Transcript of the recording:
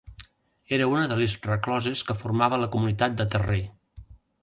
Era una de les recloses que formava la comunitat de Terrer.